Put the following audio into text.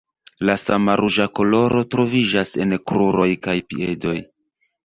La sama ruĝa koloro troviĝas en kruroj kaj piedoj.